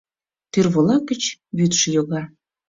Тӱрволак гыч вӱдшӧ йога